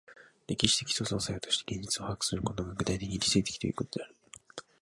歴史的創造作用として現実を把握することが、具体的理性的ということである。